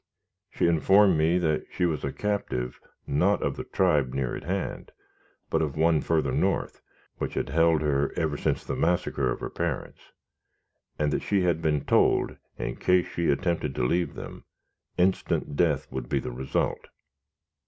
She informed me that she was a captive, not of the tribe near at hand, but of one further north, which had held her ever since the massacre of her parents; and that she had been told, in case she attempted to leave them, instant death would be the result.